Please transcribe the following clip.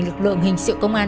lực lượng hình sự công an